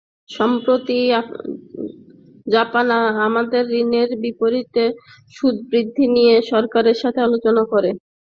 সম্প্রতি জাপান তাদের ঋণের বিপরীতে সুদ বৃদ্ধি নিয়ে সরকারের সঙ্গে আলোচনা করে।